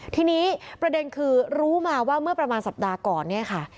ทีนี้ประเด็นคือรู้มาว่าเมื่อประมาณสัปดาห์ก่อนเนี่ยค่ะ